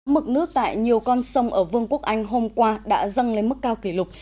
mực nước tại nhiều con sông ở vương quốc anh hôm qua đã dâng lên mức cao kỷ lục